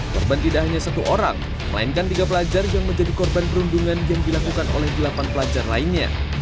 korban tidak hanya satu orang melainkan tiga pelajar yang menjadi korban perundungan yang dilakukan oleh delapan pelajar lainnya